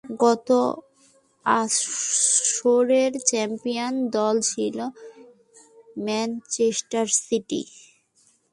গত আসরের চ্যাম্পিয়ন দল ছিলো ম্যানচেস্টার সিটি।